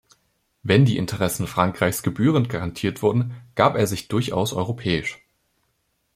Wenn die Interessen Frankreichs gebührend garantiert wurden, gab er sich durchaus europäisch.